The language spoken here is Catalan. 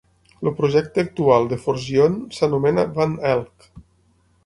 El projecte actual de Forgione s'anomena Van Elk.